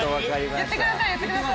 言ってください。